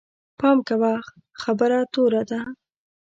پام کوه، خبره توره ده